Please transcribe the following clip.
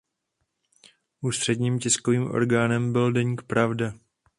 Ústředním tiskovým orgánem byl deník Pravda.